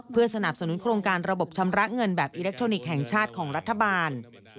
เพื่อสนับสนุนโครงการระบบชำระเงินแบบอิเล็กทรอนิกส์แห่งชาติของรัฐบาล